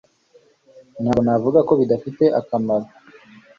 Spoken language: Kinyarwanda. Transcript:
Ntabwo navuga ko bidafite akamaro